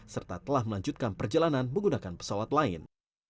serta telah melanjutkan perjalanan menggunakan pesawat lain